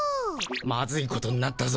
マズいことになったぞ